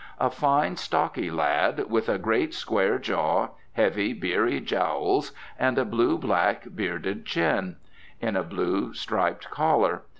A fine stocky lad, with a great square jaw, heavy beery jowls, and a blue black, bearded chin; in a blue striped collar.